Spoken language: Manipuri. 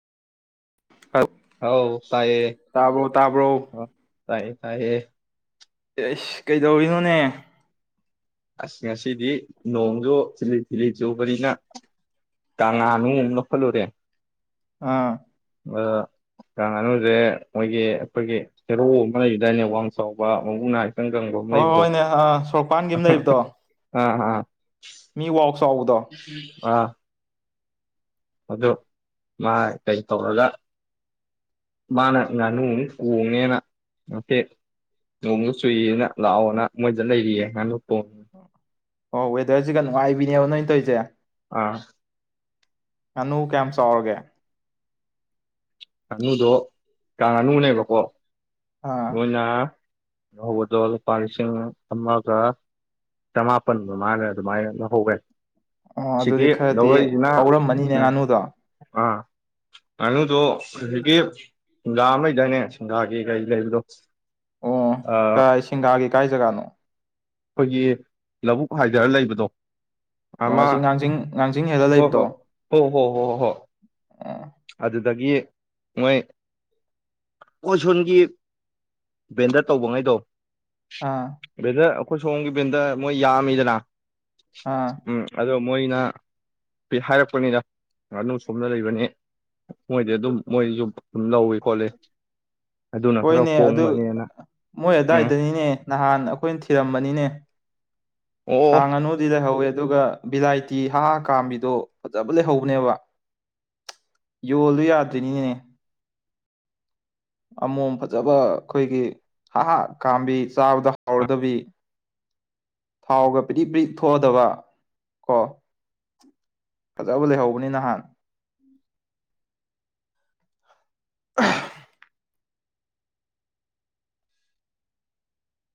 ꯑ ꯍꯥꯎ ꯇꯥꯏꯌꯦ ꯇꯥꯕ꯭ꯔꯣ ꯇꯥꯕ꯭ꯔꯣ ꯑꫭ ꯇꯥꯏꯌꯦ ꯇꯥꯏꯌꯦ ꯑꯦ ꯑꯩꯁ ꯀꯩꯗꯧꯔꯤꯅꯣꯅꯦ ꯑꯁ ꯉꯁꯤꯗꯤ ꯅꯣꯡꯁꯨꯨ ꯊꯤꯜꯂꯤ ꯊꯤꯜꯂꯤ ꯆꯨꯕꯅꯤꯅ ꯇꯉꯥꯡ ꯅꯨꯡ ꯑꯃꯨꯛ ꯂꯥꯎꯈꯠꯂꯨꯔꯦ ꯑꯥ ꯑ ꯀꯥꯡ ꯉꯥꯅꯨꯁꯦ ꯃꯣꯏꯒꯤ ꯑꯩꯈꯣꯏꯒꯤ ꯍꯦꯔꯣ ꯑꯃ ꯂꯩꯈꯤꯗꯥꯏꯅꯦ ꯋꯥꯡ ꯆꯥꯎꯕ ꯃꯕꯨꯛ ꯅꯥꯏ ꯍꯣꯍꯣꯏꯅꯦ ꯑꯥ ꯁꯣꯔꯣꯛꯄꯥꯟꯒꯤ ꯑꯃ ꯂꯩꯕꯗꯣ ꯑꯥ ꯑꯥ ꯃꯤ ꯋꯥꯎ ꯆꯥꯎꯗꯗꯣ ꯑꯥ ꯑꯗꯨ ꯃꯥ ꯀꯩ ꯇꯧꯔꯒ ꯃꯥꯅ ꯉꯥꯅꯨ ꯑꯃ ꯀꯣꯡꯅꯦꯅ ꯅꯍꯥꯟꯃꯨꯛꯀꯤ ꯅꯣꯡꯖꯨ ꯆꯨꯏꯌꯦꯅ ꯂꯥꯛꯑꯣꯅ ꯃꯣꯏꯗ ꯂꯩꯔꯤꯌꯦ ꯉꯥꯡ ꯀꯣꯡ ꯑꯣ ꯋꯦꯗꯔꯁꯤꯒ ꯅꯨꯡꯉꯥꯏꯕꯤꯅꯦꯕ ꯅꯣꯏ ꯇꯧꯔꯤꯁꯦ ꯑꯥ ꯉꯥꯅꯨ ꯀꯌꯥꯝ ꯆꯥꯎꯔꯒꯦ ꯉꯅꯨꯗꯣ ꯀꯥꯡ ꯉꯥꯅꯨꯅꯦꯕꯀꯣ ꯑꯥ ꯃꯣꯏꯅ ꯂꯧꯍꯧꯕꯗꯣ ꯂꯨꯄꯥ ꯂꯤꯁꯤꯡ ꯑꯃꯒ ꯆꯃꯥꯄꯟ ꯃꯃꯥꯒ ꯑꯗꯨꯃꯥꯏ ꯂꯧꯍꯧꯋꯦ ꯑꯣ ꯁꯤꯒꯤ ꯑꯗꯨꯗꯤ ꯈꯔꯗꯤ ꯂꯧꯔꯛꯏꯁꯤꯅ ꯄꯧꯔꯝꯃꯅꯤꯅꯦ ꯎꯝ ꯉꯥꯅꯨꯗꯣ ꯑꯥ ꯉꯥꯅꯨꯗꯣ ꯍꯨꯖꯤꯛꯀꯤ ꯐꯨꯡꯒꯥ ꯑꯃ ꯂꯩꯗꯥꯏꯅꯦ ꯁꯤꯡꯒꯥꯒꯤ ꯀꯩꯀꯥ ꯂꯩꯕꯗꯣ ꯑꯣ ꯑꯩꯈꯣꯏꯒꯤ ꯀꯥꯏ ꯁꯤꯡꯒꯥꯒꯤ ꯀꯥꯏ ꯖꯒꯥꯅꯣ ꯑꯩꯈꯣꯏꯒꯤ ꯂꯧꯕꯨꯛ ꯍꯥꯏꯊꯔꯒ ꯂꯩꯕꯗꯣ ꯑꯣ ꯑꯃ ꯑꯁꯤ ꯉꯥꯡꯖꯤꯡ ꯉꯥꯡꯖꯤꯡ ꯍꯦꯜꯂꯒ ꯍꯣ ꯂꯩꯕꯗꯣ ꯍꯣ ꯍꯣ ꯍꯣ ꯍꯣ ꯍꯣ ꯑꯣ ꯑꯗꯨꯗꯒꯤ ꯃꯣꯏ ꯑꯩꯈꯣꯏ ꯁꯣꯟꯒꯤ ꯕꯦꯟꯗꯔ ꯇꯧꯕꯉꯩꯗꯣ ꯑꯥ ꯕꯦꯟꯗꯔ ꯑꯩꯈꯣꯏ ꯁꯣꯝꯒꯤ ꯕꯦꯟꯗꯔ ꯃꯣꯏ ꯌꯥꯝꯃꯤꯗꯅ ꯑꯥ ꯎꯝ ꯑꯗꯣ ꯃꯣꯏꯅ ꯄꯤꯍꯥꯏꯔꯛꯄꯅꯤꯗ ꯉꯥꯅꯨ ꯁꯣꯝꯗ ꯂꯩꯕꯅꯤ ꯃꯣꯏꯗꯤ ꯑꯗꯨꯝ ꯃꯣꯏꯁꯨ ꯑꯗꯨꯝ ꯂꯧꯏ ꯈꯣꯠꯂꯤ ꯑꯗꯨꯅ ꯈꯔ ꯍꯣꯏꯅꯦ ꯑꯗꯨ ꯍꯣꯡꯕꯅꯦꯅ ꯃꯣꯏ ꯎꯝ ꯑꯗꯨꯋꯥꯏꯗꯅꯤꯅꯦ ꯅꯍꯥꯟ ꯑꯩꯈꯣꯏꯅ ꯊꯤꯔꯝꯕꯅꯤꯅꯦ ꯑꯣ ꯀꯥꯡ ꯉꯥꯅꯨꯗꯤ ꯂꯩꯍꯧꯋꯦ ꯑꯗꯨꯒ ꯚꯤꯂꯥꯏꯇꯤ ꯍꯥ ꯍꯥ ꯀꯥꯝꯕꯤꯗꯣ ꯐꯖꯕ ꯂꯩꯍꯧꯕꯅꯦꯕ ꯌꯣꯜꯂꯨ ꯌꯥꯗ꯭ꯔꯤꯅꯤꯅꯦ ꯑꯃꯣꯝ ꯐꯖꯕ ꯑꯩꯈꯣꯏꯒꯤ ꯍꯥꯍꯥ ꯀꯥꯝꯕꯤ ꯆꯥꯕꯗ ꯍꯥꯎꯔꯗꯕꯤ ꯊꯥꯎꯒ ꯕ꯭ꯔꯤꯛ ꯕ꯭ꯔꯤꯛ ꯊꯣꯛꯑꯗꯕ ꯀꯣ ꯐꯖꯕ ꯂꯩꯍꯧꯕꯅꯤ ꯅꯍꯥꯟ